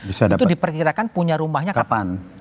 itu diperkirakan punya rumahnya kapan